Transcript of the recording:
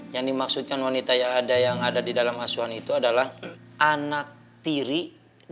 yang dimaksudkan wanita yang ada di dalam hasuhan itu adalah anak tiri dari anak tuhan